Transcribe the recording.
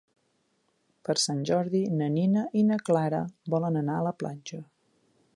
Per Sant Jordi na Nina i na Clara volen anar a la platja.